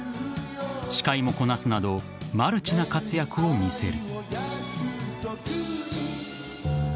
司会もこなすなどマルチな活躍を見せる。